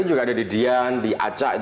juga ada di dian di acak